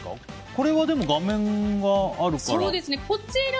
これはでも、画面があるから。